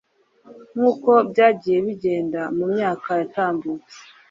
Nk’uko byagiye bigenda mu myaka yatambutse